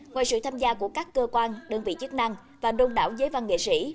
ngoài sự tham gia của các cơ quan đơn vị chức năng và đông đảo giới văn nghệ sĩ